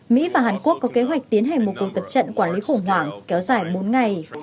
mỹ và hàn quốc có kế hoạch tiến hành một cuộc tập trận quản lý khủng hoảng kéo dài bốn ngày